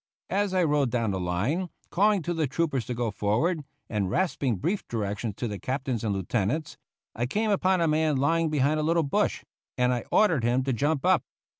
As I rode down the line, calling to the troopers to go forward, and rasping brief directions to the captains and lieutenants, I came upon a man lying behind a little bush, and I ordered him to jump up.